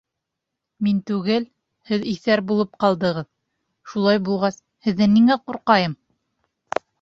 Мин түгел, һеҙ иҫәр булып ҡалдығыҙ, шулай булғас, һеҙҙән ниңә ҡурҡайым?